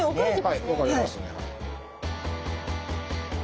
はい分かれますねはい。